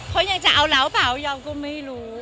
เขายังจะเอาแล้วหรือเปล่ายังก็ไม่รู้